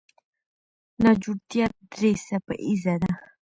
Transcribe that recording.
ناجوړتیا درې څپه ایزه ده.